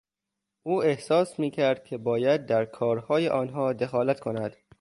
او احساس میکرد که باید در کارهای آنها دخالت کند.